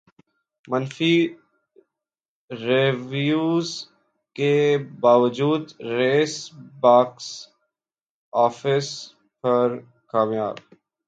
منفی ریویوز کے باوجود ریس باکس افس پر کامیاب